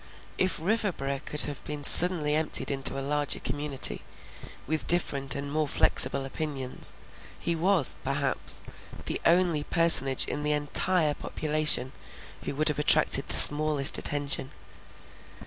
If Riverboro could have been suddenly emptied into a larger community, with different and more flexible opinions, he was, perhaps, the only personage in the entire population who would have attracted the smallest attention.